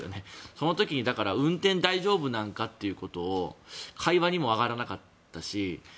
その時に運転、大丈夫なんか？ということは会話にも上がらなかったし